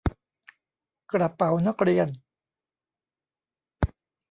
กระเป๋านักเรียน